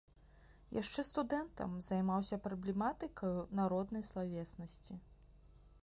Яшчэ студэнтам займаўся праблематыкаю народнай славеснасці.